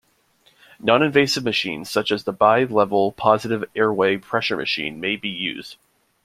Non-invasive machines such as a bilevel positive airway pressure machine may be used.